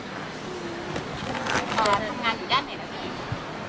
อ๋อทางงานอยู่ทางไหนทำวี